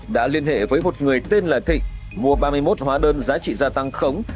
đã liên hệ với một người tên là thịnh mua ba mươi một hóa đơn giá trị gia tăng khống